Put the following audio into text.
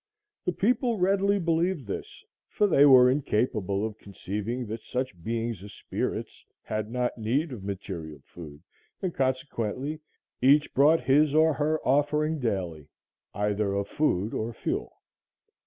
The people readily believed this, for they were incapable of conceiving that such beings as spirits had not need of material food, and, consequently, each brought his or her offering daily, either of food or fuel.